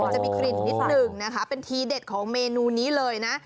จะมีกลิ่นนิดหนึ่งนะคะเป็นทีเด็ดของเมนูนี้เลยนะ